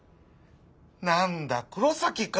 何だ黒崎か！